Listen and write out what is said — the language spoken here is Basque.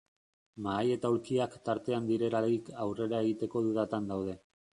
Mahai eta aulkiak tartean direlarik aurrera egiteko dudatan daude.